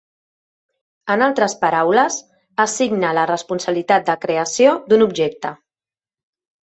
En altres paraules, assigna la responsabilitat de creació d’un objecte.